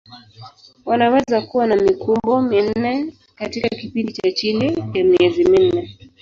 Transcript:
Wanaweza kuwa na mikumbo minne katika kipindi cha chini ya miezi minne.